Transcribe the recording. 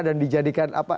dan dijadikan apa